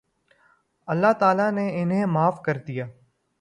اللہ تعالیٰ نے انھیں معاف کر دیا